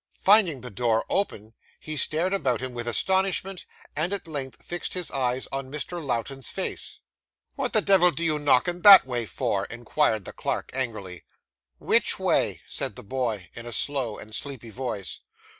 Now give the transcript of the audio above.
Finding the door open, he stared about him with astonishment, and at length fixed his eyes on Mr. Lowten's face. 'What the devil do you knock in that way for?' inquired the clerk angrily. 'Which way?' said the boy, in a slow and sleepy voice.